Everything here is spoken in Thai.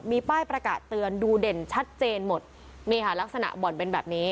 มีป้ายประกาศเตือนดูเด่นชัดเจนหมดนี่ค่ะลักษณะบ่อนเป็นแบบนี้